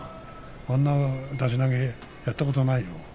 あんな出し投げやったことないよ。